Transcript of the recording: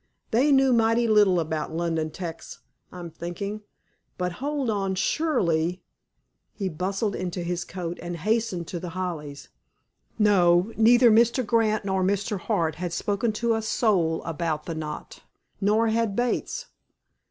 They knew mighty little about London 'tecs, I'm thinking. But, hold on. Surely—" He bustled into his coat, and hastened to The Hollies. No, neither Mr. Grant nor Mr. Hart had spoken to a soul about the knot. Nor had Bates.